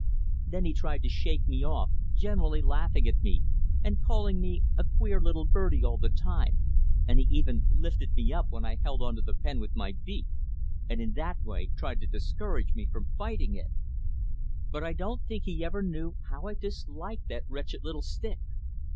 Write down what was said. Then he tried to shake me off, generally laughing at me, and calling me a queer little birdie all the time, and he even lifted me up while I held on to the pen with my beak, and in that way tried to discourage me from fighting it. But I don't think he ever knew how I disliked that wretched little stick.